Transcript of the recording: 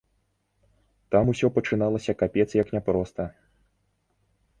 Там усё пачыналася капец як няпроста.